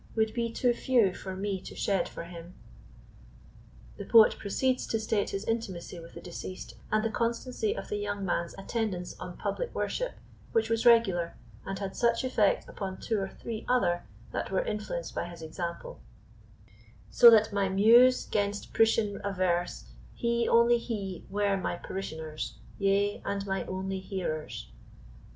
Would be too few for me to shed for him. The poet proceeds to state his intimacy with the deceased, and the constancy of the young man's attendance on public worship, which was regular, and had such effect upon two or three other that were influenced by his example: So that my Muse 'gainst Priscian avers, He, only he, were my parishioners; Yea, and my only hearers.